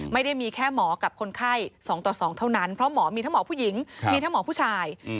ไม่ได้มีแค่หมอกับคนไข้๒ต่อ๒เท่านั้นเพราะหมอมีทั้งหมอผู้หญิงมีทั้งหมอผู้ชาย